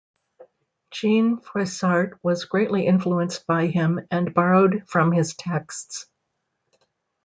Jean Froissart was greatly influenced by him and borrowed from his texts.